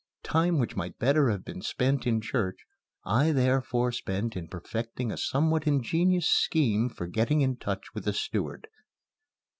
Time which might better have been spent in church I therefore spent in perfecting a somewhat ingenious scheme for getting in touch with the steward.